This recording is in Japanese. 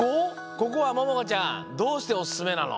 ここはももかちゃんどうしておすすめなの？